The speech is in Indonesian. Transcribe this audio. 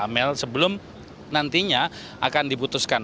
dan juga amel sebelum nantinya akan dibutuhkan